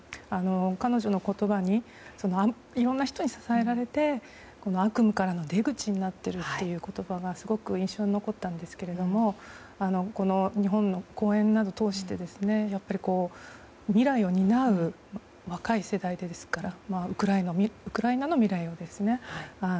彼女の言葉にいろんな人に支えられて悪夢からの出口になっているという言葉がすごく印象に残ったんですけれども日本の公演などを通して未来を担う若い世代ですからウクライナの未来をですね。